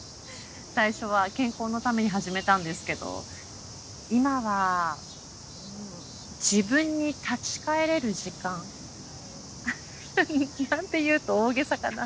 最初は健康のために始めたんですけど今はん自分に立ち返れる時間。なんて言うと大げさかな。